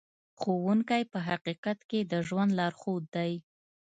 ښوونکی په حقیقت کې د ژوند لارښود دی.